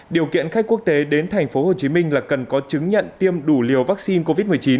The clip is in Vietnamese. điều kiện khách quốc tế đến thành phố hồ chí minh là cần có chứng nhận tiêm đủ liều vaccine covid một mươi chín